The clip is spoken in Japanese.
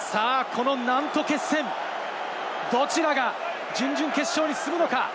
ナント決戦、どちらが準々決勝に進むのか？